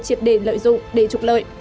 chiếm đề lợi dụng để trục lợi